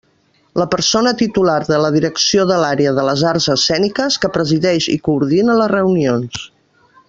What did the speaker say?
La persona titular de la Direcció de l'Àrea de les Arts Escèniques, que presideix i coordina les reunions.